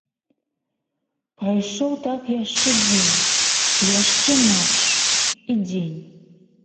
Прайшоў так яшчэ дзень і яшчэ ноч і дзень.